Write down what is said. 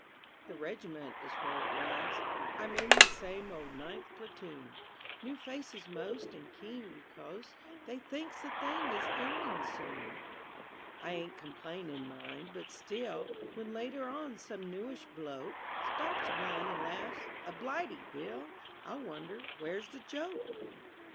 The regiment is where it was, I'm in the same old ninth platoon; New faces most, and keen becos They thinks the thing is ending soon; I ain't complaining, mind, but still, When later on some newish bloke Stops one and laughs, "A blighty, Bill," I'll wonder, "Where's the joke?"